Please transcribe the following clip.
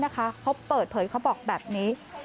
เขาเปิดเผยเขาบอกแบบนี้